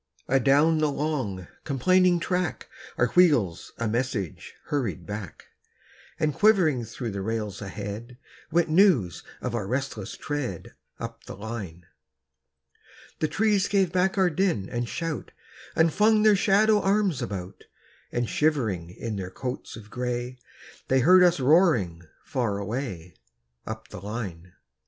Adown the long, complaining track, Our wheels a message hurried back; And quivering through the rails ahead, Went news of our resistless tread, Up the line. The trees gave back our din and shout, And flung their shadow arms about; And shivering in their coats of gray, They heard us roaring far away, Up the line.